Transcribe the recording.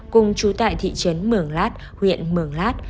cùng chú tại thị trấn mường lát huyện mường lát